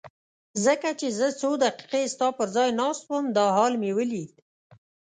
ځکه چې زه څو دقیقې ستا پر ځای ناست وم دا حال مې ولید.